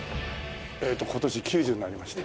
えーと今年９０になりました。